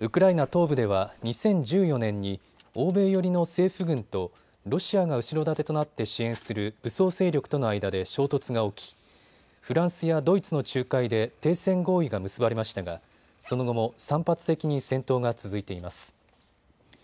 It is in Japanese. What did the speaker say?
ウクライナ東部では２０１４年に欧米寄りの政府軍とロシアが後ろ盾となって支援する武装勢力との間で衝突が起きフランスやドイツの仲介で停戦合意が結ばれましたがその後も散発的に戦闘が続いています。